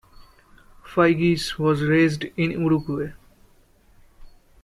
Fygi's was raised in Uruguay.